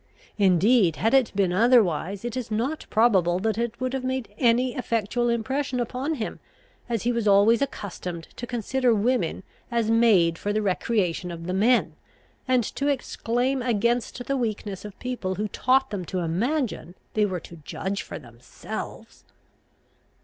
Indeed, had it been otherwise, it is not probable that it would have made any effectual impression upon him; as he was always accustomed to consider women as made for the recreation of the men, and to exclaim against the weakness of people who taught them to imagine they were to judge for themselves.